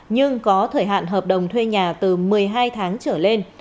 nhưng có thời hạn hợp đồng thuê nhà từ một mươi hai tháng trở lên